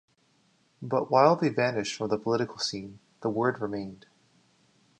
But while they vanished from the political scene, the word remained.